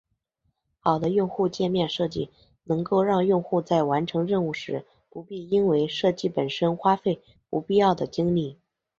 好的用户界面设计能够让用户在完成任务时不必因为设计本身花费不必要的精力。